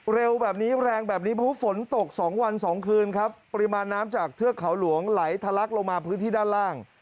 เร็วแบบนี้แรงแบบนี้เพราะฝนตกสองวันสองคืนครับปริมาณน้ำจากเทือกเขาหลวงไหลทะลักลงมาพื้นที่ด้านล่าง